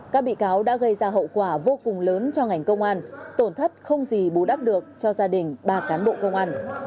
các bị cáo đã gây ra hậu quả vô cùng lớn cho ngành công an tổn thất không gì bù đắp được cho gia đình ba cán bộ công an